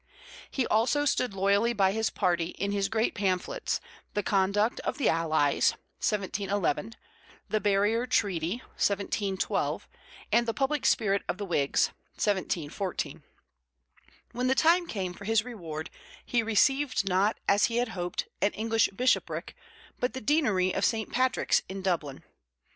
He also stood loyally by his party in his great pamphlets, The Conduct of the Allies (1711), The Barrier Treaty (1712), and The Public Spirit of the Whigs (1714). When the time came for his reward, he received not, as he had hoped, an English bishopric, but the deanery of St. Patrick's in Dublin.